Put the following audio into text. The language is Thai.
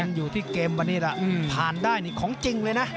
อยู่ที่เกมวันนี้ล่ะผ่านได้นี่ของจริงเลยนะ